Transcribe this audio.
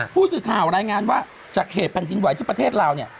ผู้สื่อข่าวรายงานว่าจากเหตุแผ่นดินไหวที่ประเทศลาวเนี่ย